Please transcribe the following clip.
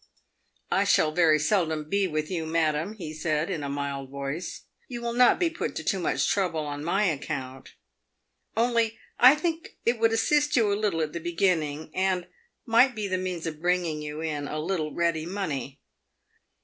" I shall very seldom be with you, madam," he said, in a mild voice. "You will not be put to much trouble on my account ; only I think it would assist you a little at beginning, and might be the means of bringing you in a little ready money."